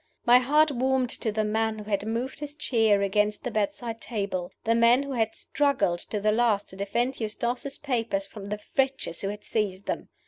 My heart warmed to the man who had moved his chair against the bedside table the man who had struggled to the last to defend Eustace's papers from the wretches who had seized them.